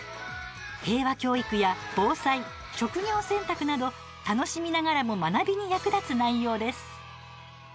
平和教育や防災、職業選択など楽しみながらも学びに役立つ内容です。